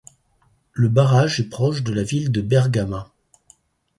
Le barrage est proche de la ville de Bergama.